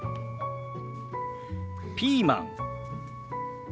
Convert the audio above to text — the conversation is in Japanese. ピーマン。